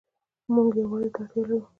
مونږ يووالي ته اړتيا لرو